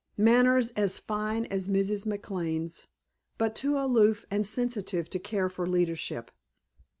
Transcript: Manners as fine as Mrs. McLane's, but too aloof and sensitive to care for leadership.